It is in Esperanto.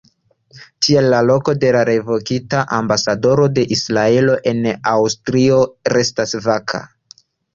Tial la loko de la revokita ambasadoro de Israelo en Aŭstrio restos vaka.